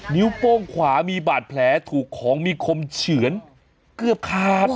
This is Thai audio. โป้งขวามีบาดแผลถูกของมีคมเฉือนเกือบขาด